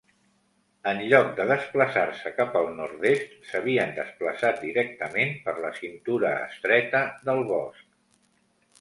En lloc de desplaçar-se cap al nord-est, s'havien desplaçat directament per la cintura estreta del bosc.